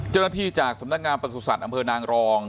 เจ้าหน้าที่จากสำนักงานประสุทธิ์สัตว์อำเภอนางรอง